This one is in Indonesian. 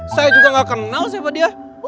saya juga gak kenal siapa dia